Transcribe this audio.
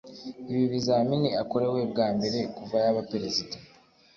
Ibi bizamini akorewe bwa mbere kuva yaba perezida